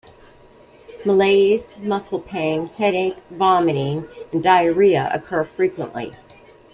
Malaise, muscle pain, headache, vomiting, and diarrhea occur frequently.